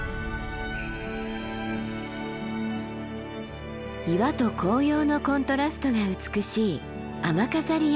岩と紅葉のコントラストが美しい雨飾山です。